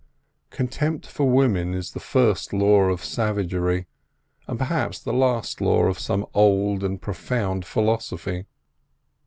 Contempt for women is the first law of savagery, and perhaps the last law of some old and profound philosophy.